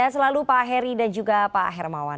selalu pak heri dan juga pak hermawan